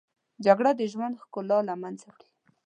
جګړه د ژوند ښکلا له منځه وړي